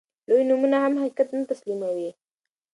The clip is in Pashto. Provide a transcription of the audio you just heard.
لوی نومونه هم حقيقت نه تسليموي.